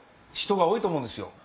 多いと思うんですよ。